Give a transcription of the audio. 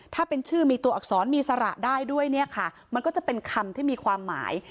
ถ้าเป็นชื่อมีตัวอักษรมีสระได้ด้วยเนี่ยค่ะมันก็จะเป็นคำที่มีความหมาย